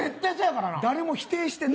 誰も否定してない。